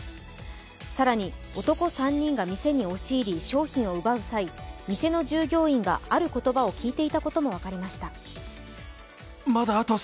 更に男３人が店に押し入り商品を奪う際店の従業員がある言葉を聞いていたことも分かりました。